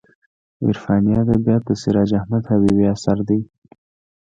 عرفاني ادبیات د سراج احمد حبیبي اثر دی.